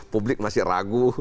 publik masih ragu